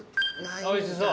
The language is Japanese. おいしそう。